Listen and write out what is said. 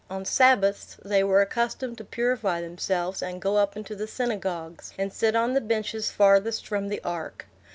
On Sabbaths they were accustomed to purify themselves, and go up into the synagogues, and sit on the benches farthest from the ark.